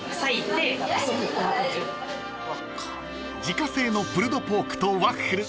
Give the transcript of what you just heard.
［自家製のプルドポークとワッフル］